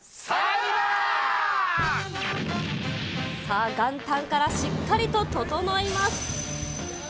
さあ、元旦からしっかりとととのいます。